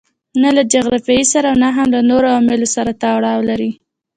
نه له جغرافیې سره او نه هم له نورو عواملو سره تړاو لري.